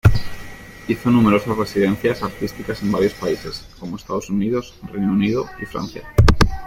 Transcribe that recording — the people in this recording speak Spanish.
Hizo numerosas residencias artísticas en varios países, como Estados Unidos, Reino Unido y Francia.